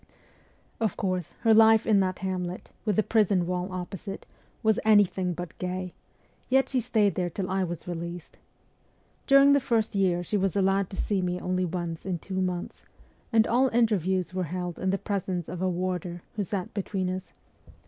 Of course, her life in that hamlet, with the prison wall opposite, was anything but gay ; yet she stayed there till I was released. During the first year she was allowed to see me only once in two months, and all interviews were held in the presence of a warder, who sat between us.